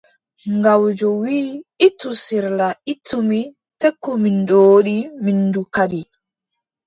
Gawjo wii, ittu sirla ittu mi, tekku mi ndoodi mi ndu kadi.